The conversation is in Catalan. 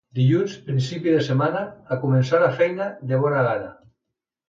Dilluns, principi de setmana, a començar la feina de bona gana.